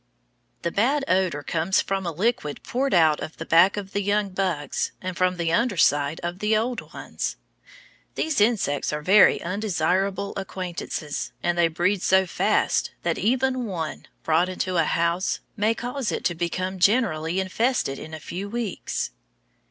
The bad odor comes from a liquid poured out of the back of young bugs, and from the under side of old ones. These insects are very undesirable acquaintances, and they breed so fast that even one, brought into a house, may cause it to become generally infested in a few weeks.